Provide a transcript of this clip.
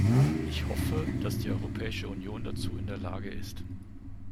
Ich hoffe, dass die Europäische Union dazu in der Lage ist.